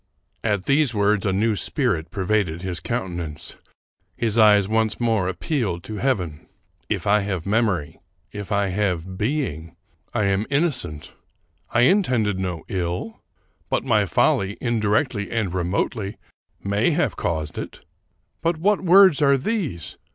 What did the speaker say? At these words a new spirit pervaded his countenance. His eyes once more appealed to heaven. " If I have mem ory — if I have being — I am innocent. I intended no ill ; but my folly, indirectly and remotely, may have caused it. But what words are these